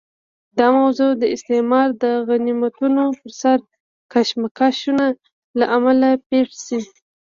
دا موضوع د استعمار د غنیمتونو پر سر کشمکشونو له امله پېښه شي.